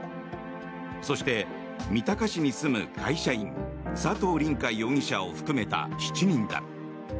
そして、三鷹市に住む会社員佐藤凛果容疑者を含めた７人だ。